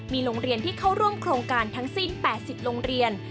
มีโรงเรียนที่เข้าร่วมโครงการทั้งสิ้น๘๐โรงเรียน